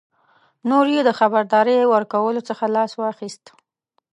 نور یې د خبرداري ورکولو څخه لاس واخیست.